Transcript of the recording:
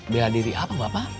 bela diri apa bapak